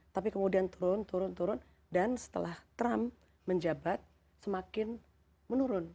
tapi kemudian turun turun turun dan setelah trump menjabat semakin menurun